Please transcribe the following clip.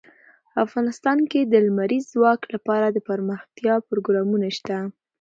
افغانستان کې د لمریز ځواک لپاره دپرمختیا پروګرامونه شته.